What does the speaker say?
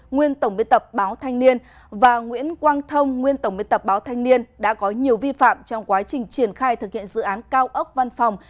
nguyên tổng biên tập báo thanh niên và nguyễn quang thông nguyên tổng biên tập báo thanh niên đã có nhiều vi phạm trong quá trình triển khai thực hiện dự án cao ốc văn phòng